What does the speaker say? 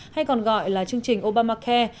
hay còn gọi là chương trình obamacare